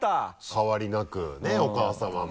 変わりなくねお母さまも。